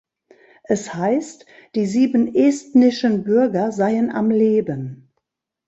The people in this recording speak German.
Es heißt, die sieben estnischen Bürger seien am Leben.